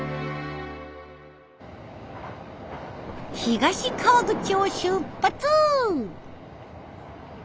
東川口を出発！